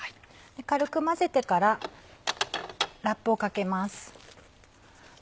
軽く混ぜてからラップをかけます。